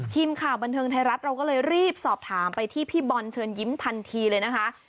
ทีมข่าวบันเทิงไทยรัฐเราก็เลยรีบสอบถามไปที่พี่บอลเชิญยิ้มทันทีเลยนะคะ